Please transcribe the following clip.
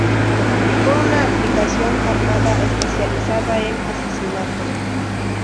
Fue una aplicación armada especializada en asesinatos.